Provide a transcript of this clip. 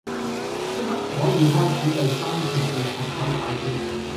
即刻可以開始第三期嘅六合彩攪珠